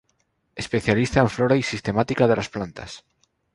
Especialista en Flora y sistemática de las plantas.